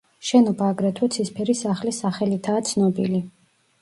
შენობა აგრეთვე „ცისფერი სახლის“ სახელითაა ცნობილი.